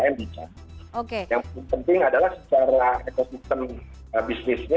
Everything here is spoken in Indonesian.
yang penting adalah secara ekosistem bisnisnya